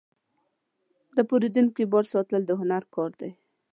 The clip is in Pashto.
د پیرودونکي باور ساتل د هنر کار دی.